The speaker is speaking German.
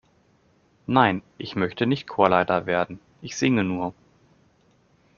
Nein, ich möchte nicht Chorleiter werden, ich singe nur.